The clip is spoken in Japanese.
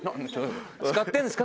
使ってるんですか？